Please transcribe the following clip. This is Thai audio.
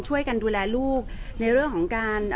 แต่ว่าสามีด้วยคือเราอยู่บ้านเดิมแต่ว่าสามีด้วยคือเราอยู่บ้านเดิม